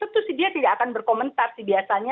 tentu sih dia tidak akan berkomentar sih biasanya